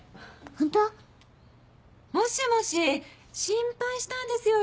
ホント？もしもし心配したんですよ